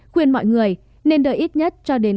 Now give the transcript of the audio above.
khuyên mọi người nên đợi ít nhất cho đến